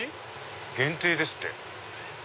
⁉限定ですって。